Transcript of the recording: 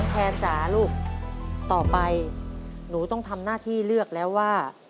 แทนจ๋าลูกต่อไปหนูต้องทำหน้าที่เลือกแล้วว่า